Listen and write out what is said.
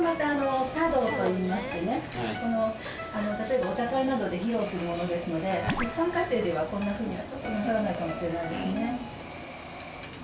例えばお茶会などで披露するものですので一般家庭ではこんなふうにはなさらないかもしれないですね。